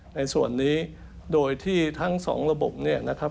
ในส่วนนี้โดยที่ทั้งสองระบบเนี่ยนะครับ